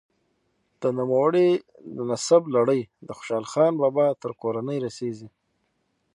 د نوموړي د نسب لړۍ د خوشحال خان بابا تر کورنۍ رسیږي.